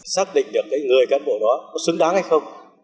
xác định được cái người cán bộ đó có xứng đáng hay không